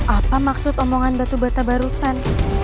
apa maksud omongan batu bata barusan